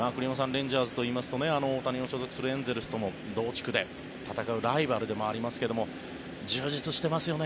レンジャーズといいますと大谷の所属するエンゼルスとも同地区で戦うライバルでもありますが充実してますよね